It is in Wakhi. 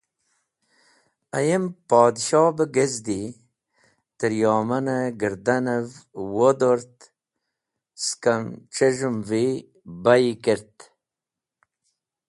Ayem Podshoh be gezdi, trẽ yoman gardanev wodort, skem c̃hez̃hevi bayi kert.